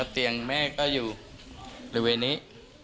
เตียงแม่ก็อยู่บริเวณนี้